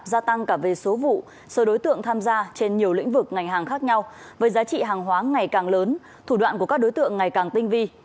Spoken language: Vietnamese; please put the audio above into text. gia tăng cả về số vụ số đối tượng tham gia trên nhiều lĩnh vực ngành hàng khác nhau với giá trị hàng hóa ngày càng lớn thủ đoạn của các đối tượng ngày càng tinh vi